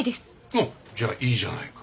あっじゃあいいじゃないか。